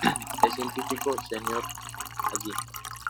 Es científico senior allí.